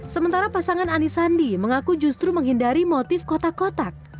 sementara pasangan anisandi mengaku justru menghindari motif kotak kotak